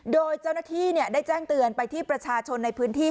โดยเจ้าหน้าที่ได้แจ้งเตือนไปที่ประชาชนในพื้นที่